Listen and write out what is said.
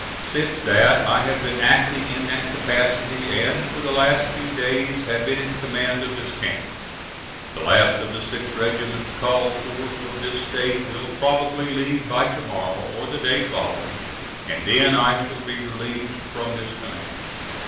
Since that I have been acting in that capacity, and for the last few days have been in command of this camp. The last of the six regiments called for from this State, will probably leave by to morrow, or the day following, and then I shall be relieved from this command.